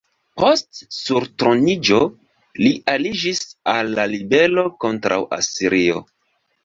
Post surtroniĝo, li aliĝis al la ribelo kontraŭ Asirio.